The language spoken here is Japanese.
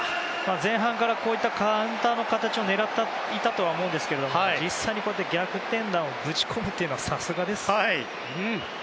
前半からこういったカウンターの形を狙っていたとは思うんですが実際こうして逆転弾をぶち込むというのはさすがですね。